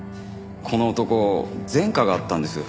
この男前科があったんです。